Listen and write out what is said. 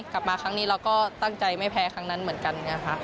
กลับมาครั้งนี้เราก็ตั้งใจไม่แพ้ครั้งนั้นเหมือนกัน